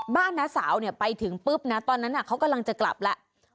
น้าสาวไปถึงปุ๊บนะตอนนั้นเขากำลังจะกลับแล้ว